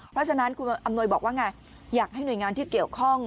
เพราะฉะนั้นคุณอำนวยบอกว่าไงอยากให้หน่วยงานที่เกี่ยวข้อง